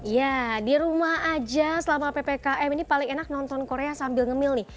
ya di rumah aja selama ppkm ini paling enak nonton korea sambil ngemil nih